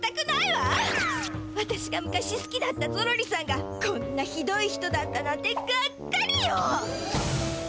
わたしが昔すきだったゾロリさんがこんなひどい人だったなんてがっかりよ！